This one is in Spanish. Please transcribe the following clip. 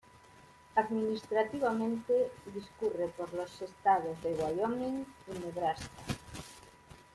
Administrativamente, discurre por los estados de Wyoming y Nebraska.